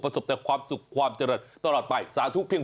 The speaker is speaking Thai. สบแต่ความสุขความเจริญตลอดไปสาธุเพียง